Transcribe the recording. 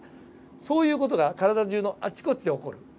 そういう事が体中のあちこちで起こる。